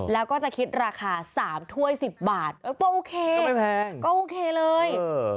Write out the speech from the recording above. แล้วก็จะคิดราคา๓ถ้วย๑๐บาทว่าโอเคก็ไม่แพงก็โอเคเลย